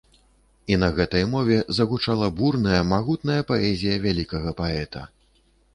І на гэтай мове загучала бурная, магутная паэзія вялікага паэта.